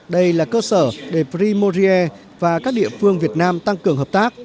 đây là cơ sở để primoria và các địa phương việt nam tăng cường hợp tác